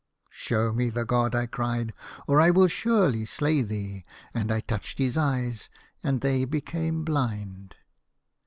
"' Show me the god,' I cried, ' or I will surely slay thee.' And I touched his eyes, and they became blind.